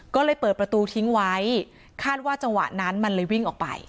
ก็เลยเปิดประตูทิ้งไว้คาดว่าจังหวะนั้นมันเลยวิ่งออกไป